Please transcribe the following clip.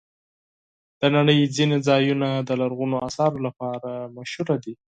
د نړۍ ځینې ځایونه د لرغونو آثارو لپاره مشهور دي.